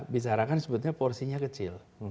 bicarakan sebetulnya porsinya kecil